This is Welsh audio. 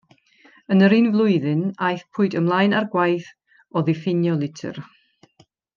Yn yr un flwyddyn, aethpwyd ymlaen â'r gwaith o ddiffinio litr.